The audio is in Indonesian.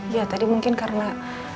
ya tadi mungkin karena